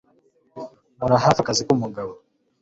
Nkora hafi akazi kumugabo